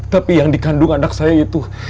tapi yang dikandung anak saya itu